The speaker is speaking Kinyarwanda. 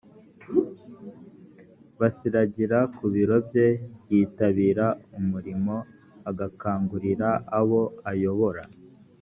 basiragira ku biro bye yitabira umurimo agakangurira abo ayobora